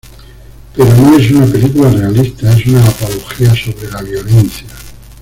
Pero no es una película realista, es una apología sobre la violencia.